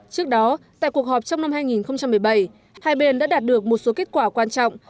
trước đó tại cuộc họp trong năm hai nghìn một mươi bảy hai bên đã đạt được một số kết quả quan trọng